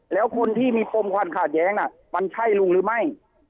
แล้วคนที่มีปมความขาดแย้งน่ะมันใช่ลุงหรือไม่